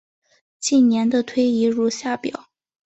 近年的推移如下表。